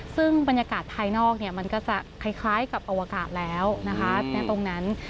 ซึ่งบรรยากาศภายนอกมันก็จะคล้ายกับอวกาศแล้วนะคะณตรงนั้น